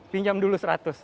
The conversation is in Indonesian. pinjam dulu seratus